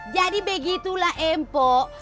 jadi begitulah empok